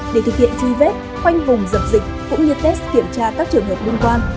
để thực hiện truy vết khoanh vùng dập dịch cũng như test kiểm tra các trường hợp liên quan